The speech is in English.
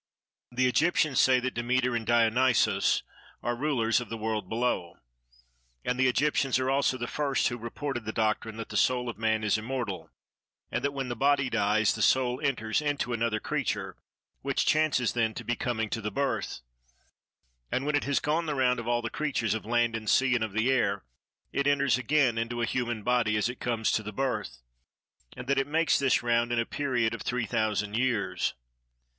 The Egyptians say that Demeter and Dionysos are rulers of the world below; and the Egyptians are also the first who reported the doctrine that the soul of man is immortal, and that when the body dies, the soul enters into another creature which chances then to be coming to the birth, and when it has gone the round of all the creatures of land and sea and of the air, it enters again into a human body as it comes to the birth; and that it makes this round in a period of three thousand years.